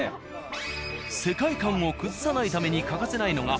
世界観を崩さないために欠かせないのが。